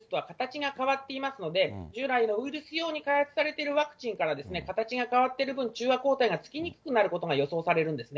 これは変異が入れば入るほど、従来のウイルスとは形が変わっていますので、従来のウイルス用に開発されているワクチンから形が変わっている分、中和抗体がつきにくくなることが予想されるんですね。